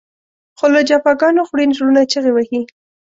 خو له جفاګانو خوړین زړونه چغې وهي.